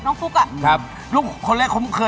ตั้งแต่ลูกชายคนเล็กได้๕๖ขวบน้องฟุกอะ